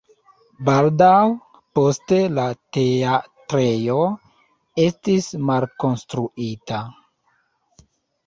Baldaŭ poste la teatrejo estis malkonstruita.